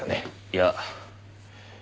いや。